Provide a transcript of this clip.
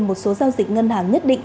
một số giao dịch ngân hàng nhất định